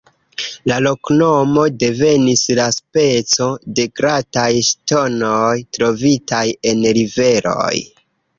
La loknomo devenis de speco de glataj ŝtonoj trovitaj en riveroj.